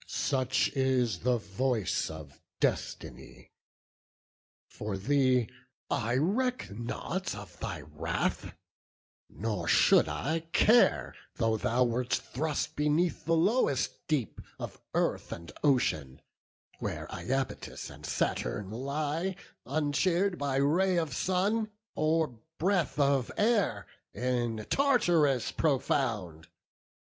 Such is the voice of destiny: for thee, I reck not of thy wrath; nor should I care Though thou wert thrust beneath the lowest deep Of earth and ocean, where Iapetus And Saturn lie, uncheer'd by ray of sun Or breath of air, in Tartarus profound.